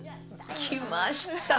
来ました！